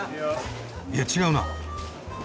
いや違うな。